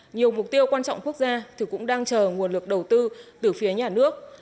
nhiều mục tiêu quan trọng quốc gia thì cũng đang chờ nguồn lực đầu tư từ phía nhà nước